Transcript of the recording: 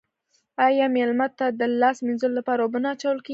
آیا میلمه ته د لاس مینځلو لپاره اوبه نه اچول کیږي؟